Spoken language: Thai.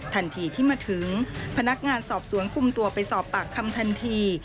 ทันทีที่มาถึงพนักงานสอบสวนคุมตัวไปสอบปากคำทันที